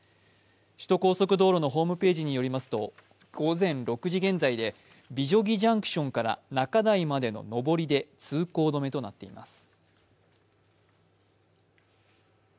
首都高速道路のホームページによりますと午前６時現在で美女木ジャンクションから中台までの上りで通行止めとなっています。